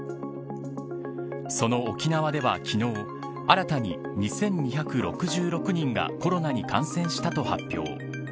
その沖縄では昨日新たに２２６６人がコロナに感染したと発表。